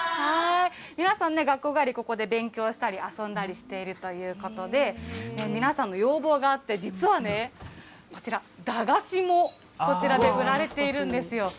皆さんね、学校帰り、ここで勉強したり遊んだりしているということで、皆さんの要望があって、実はね、こちら、駄菓子もこちらで売られているんですよ。